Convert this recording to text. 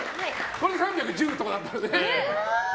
これで３１０とかだったらね。